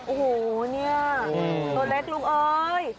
โอ้โหเนี่ยตัวเล็กลุงเอ้ย